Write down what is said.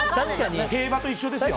競馬と一緒ですよ。